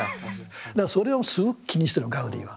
だからそれをすごく気にしてたのガウディは。